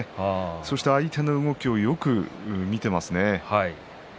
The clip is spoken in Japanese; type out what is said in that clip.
そして相手の動きをよく見ていますよね。